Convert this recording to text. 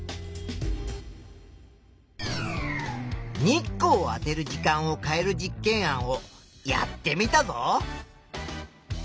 日光をあてる時間を変える実験案をやってみたぞ。